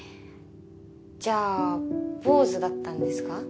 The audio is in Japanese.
じゃあ坊主だったんですか？